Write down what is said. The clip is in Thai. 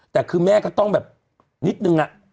แต่คือแม่ก็ต้องแบบนิดนึง